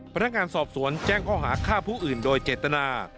พนักงานสอบสวนแจ้งข้อหาฆ่าผู้อื่นโดยเจตนา